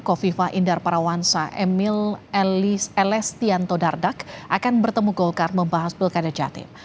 kofifa indar parawansa emil elestianto dardak akan bertemu golkar membahas pilkada jatim